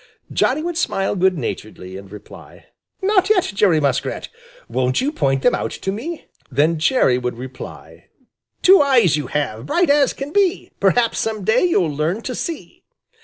Johnny would smile good naturedly and reply: "Not yet, Jerry Muskrat. Won't you point them out to me?" Then Jerry would reply: "Two eyes you have, bright as can be; Perhaps some day you'll learn to see."